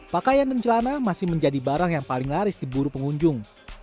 pakaian dan celana masih menjadi barang yang paling laris diburu pengunjung